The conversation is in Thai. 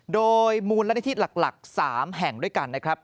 โดยมูลนิธิหลัก๓แห่งด้วยกันนะครับ